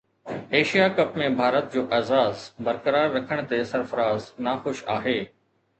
Asia Cup ۾ Bharat جو اعزاز برقرار رکڻ تي سرفراز ناخوش آهي